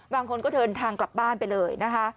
บางคนก็เดินทางกลับบ้านไปเลยนะคะ